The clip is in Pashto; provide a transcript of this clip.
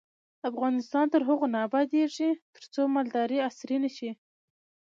افغانستان تر هغو نه ابادیږي، ترڅو مالداري عصري نشي.